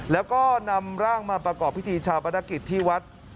แล้วก็นำร่างมาประกอบพิธีชาปนกิจที่วัด